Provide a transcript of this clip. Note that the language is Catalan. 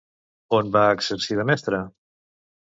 On va exercir de mestra?